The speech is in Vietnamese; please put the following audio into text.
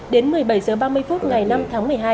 đến một mươi bảy h ba mươi phút ngày năm tháng một mươi hai